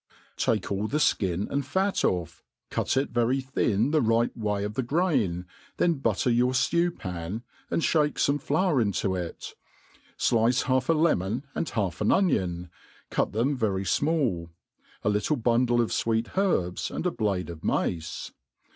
TAKE all the (kin and fat ofF, cut it very thin the right "Way of the 'grain, then butter your ftew pan, and (hake fome flour into it \ (lice half a lemon and half an onion, cut them very fmall, a little bundle of fweet herbs, and a blade of mace.